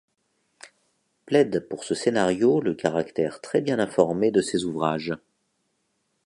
Plaide pour ce scénario le caractère très bien informé de ses ouvrages.